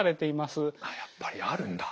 あっやっぱりあるんだ。